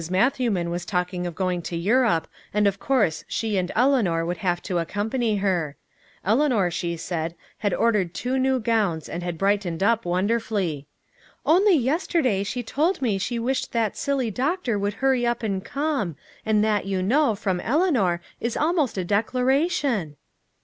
Matthewman was talking of going to Europe, and of course she and Eleanor would have to accompany her. Eleanor, she said, had ordered two new gowns and had brightened up wonderfully. "Only yesterday she told me she wished that silly doctor would hurry up and come and that, you know, from Eleanor is almost a declaration!"